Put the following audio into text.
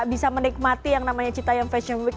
bisa menikmati yang namanya cita young fashion week